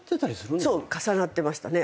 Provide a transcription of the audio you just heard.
そう重なってましたね。